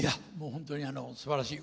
本当にすばらしい。